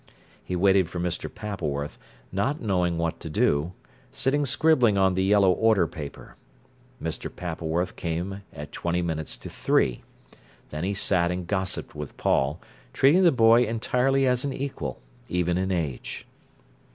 He waited for Mr. Pappleworth, not knowing what to do, sitting scribbling on the yellow order paper. Mr. Pappleworth came at twenty minutes to three. Then he sat and gossiped with Paul, treating the boy entirely as an equal, even in age.